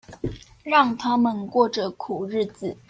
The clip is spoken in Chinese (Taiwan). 讓他們過著苦日子